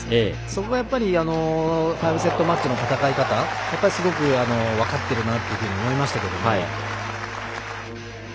そこがやっぱり５セットマッチの戦い方、すごく分かってるなと思いましたけれども。